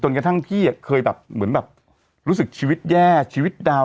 กระทั่งพี่เคยแบบเหมือนแบบรู้สึกชีวิตแย่ชีวิตดาว